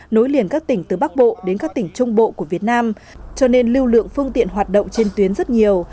nối liền các tỉnh từ bắc bộ đến các tỉnh trung bộ của việt nam cho nên lưu lượng phương tiện hoạt động trên tuyến rất nhiều